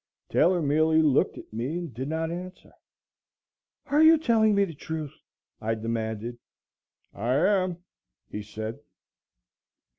Taylor merely looked at me and did not answer. "Are you telling me the truth?" I demanded. "I am," he said.